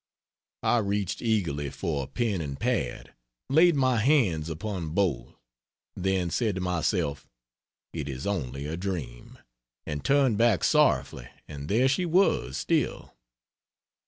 I reached eagerly for a pen and pad laid my hands upon both then said to myself, "It is only a dream," and turned back sorrowfully and there she was, still.